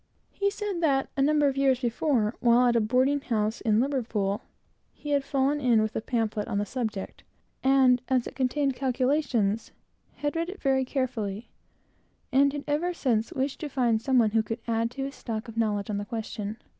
He said that, a number of years before, while at a boarding house in Liverpool, he had fallen in with a pamphlet on the subject, and, as it contained calculations, had read it very carefully, and had ever since wished to find some one who could add to his stock of knowledge on the question.